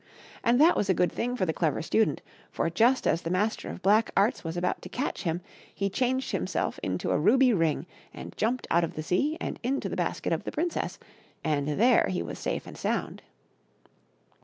And that was a good thing for the Clever Student, for just as the Master of Black Arts was about to catch him he changed himself into a ruby ring and jumped out of the sea and into the basket of the princess, and there he was safe and sound.